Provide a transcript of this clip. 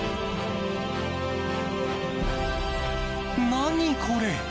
何これ！